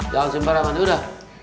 jangan sembarangan ya udah